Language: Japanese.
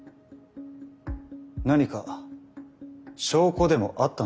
何か証拠でもあったのですか？